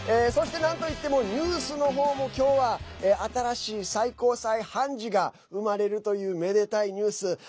そして、なんといってもニュースのほうもきょうは新しい最高裁判事が生まれるというめでたいニュース。